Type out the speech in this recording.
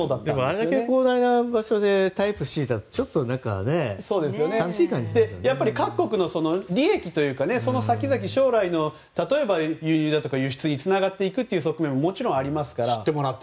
あれだけ広大な場所でタイプＣだと各国の利益というか将来の輸入や輸出につながっていくという側面ももちろんありますから。